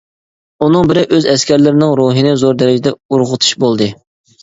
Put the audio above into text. ئۇنىڭ بىرى ئۆز ئەسكەرلىرىنىڭ روھىنى زور دەرىجىدە ئۇرغۇتۇش بولدى.